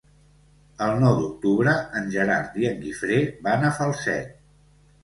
El nou d'octubre en Gerard i en Guifré van a Falset.